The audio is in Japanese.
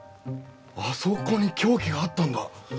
あそこに凶器があったんだ。